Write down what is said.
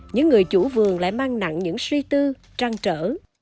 những người chủ vườn lại mang nặng những suy tư trang trở